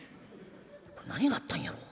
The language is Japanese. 『何があったんやろう。